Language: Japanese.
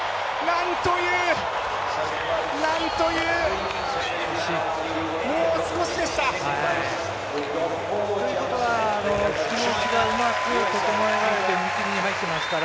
なんという、なんというもう少しでした。